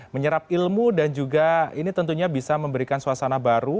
menyerap ilmu dan juga ini tentunya bisa memberikan suasana baru